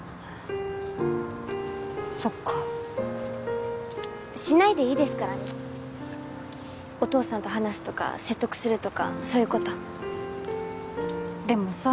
そっかしないでいいですからねお父さんと話すとか説得するとかそういうことでもさ